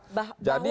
oke bang riza